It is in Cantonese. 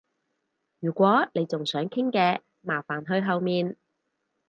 如果你仲想傾嘅，麻煩去後面